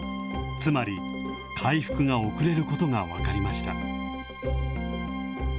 つまり回復が遅れることが分かりました。